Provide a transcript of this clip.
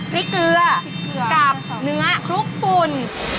เกลือกับเนื้อคลุกฝุ่น